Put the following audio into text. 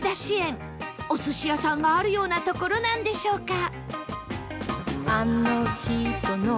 お寿司屋さんがあるような所なんでしょうか？